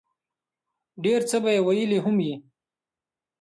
ډېر څۀ به ئې ويلي هم وي